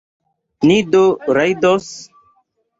Ni do rajdos?